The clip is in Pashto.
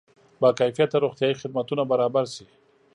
با کیفیته روغتیایي خدمتونه برابر شي.